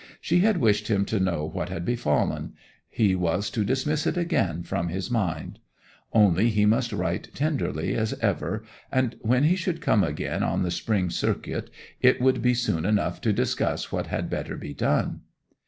She had wished him to know what had befallen: he was to dismiss it again from his mind. Only he must write tenderly as ever, and when he should come again on the spring circuit it would be soon enough to discuss what had better be done.